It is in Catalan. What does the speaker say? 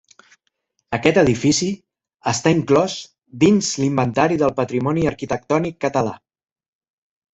Aquest edifici està inclòs dins l'Inventari del Patrimoni Arquitectònic Català.